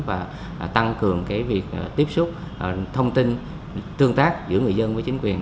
và tăng cường việc tiếp xúc thông tin tương tác giữa người dân với chính quyền